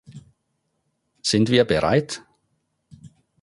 Sind wir bereit?